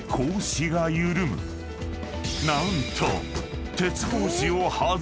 ［何と］